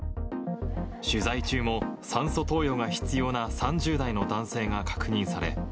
取材中も、酸素投与が必要な３０代の男性が確認され。